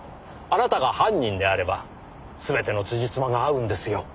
あなたが犯人であれば全てのつじつまが合うんですよ。